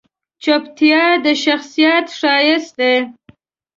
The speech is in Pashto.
چپتیا، د شخصیت ښایست دی.